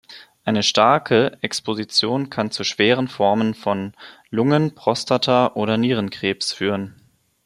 Eine starke Exposition kann zu schweren Formen von Lungen-, Prostataoder Nierenkrebs führen.